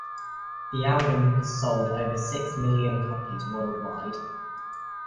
The album has sold over six million copies worldwide.